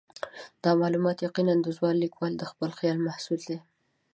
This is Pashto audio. دا معلومات یقیناً د ځوان لیکوال د خپل خیال محصول دي.